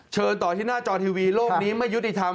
เชิญต่อที่หน้าจอทีวีโลกนี้ไม่ยุติธรรม